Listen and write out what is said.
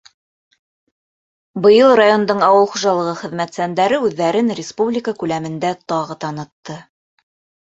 Быйыл райондың ауыл хужалығы хеҙмәтсәндәре үҙҙәрен республика күләмендә тағы танытты.